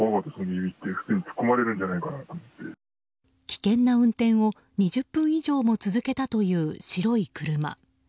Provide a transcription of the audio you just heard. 危険な運転を２０分以上も続けたという白い車。